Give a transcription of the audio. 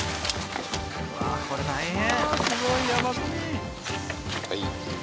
うわっこれ大変。